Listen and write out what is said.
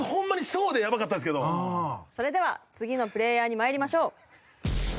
それでは次のプレーヤーにまいりましょう。